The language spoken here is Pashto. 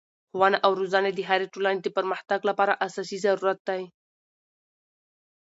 ښوونه او روزنه د هري ټولني د پرمختګ له پاره اساسي ضرورت دئ.